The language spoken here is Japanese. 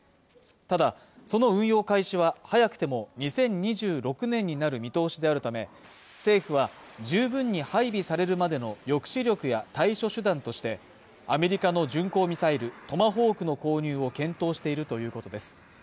ただその運用開始は早くても２０２６年になる見通しであるため政府は十分に配備されるまでの抑止力や対処手段としてアメリカの巡航ミサイルトマホークの購入を検討しているということです